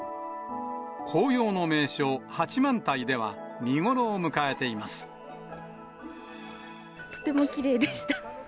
紅葉の名所、八幡平では、見頃をとてもきれいでした。